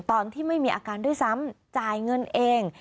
ตอนที่ไม่มีอาการด้วยซ้ำจ่ายเงินเอง